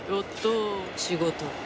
仕事。